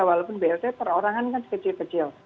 walaupun blt perorangan kan kecil kecil